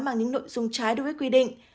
mang những nội dung trái đối với quy định